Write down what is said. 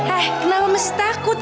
eh kenapa mesti takut